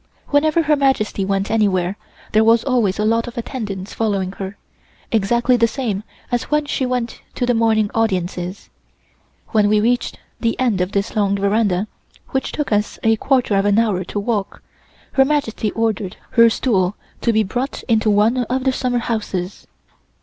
Whenever Her Majesty went anywhere there was always a lot of attendants following her, exactly the same as when she went to the morning audiences. When we reached the end of this long veranda, which took us a quarter of an hour to walk, Her Majesty ordered her stool to be brought into one of the summer houses.